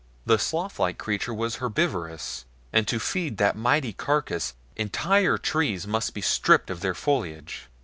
The sloth like creature was herbivorous, and to feed that mighty carcass entire trees must be stripped of their foliage.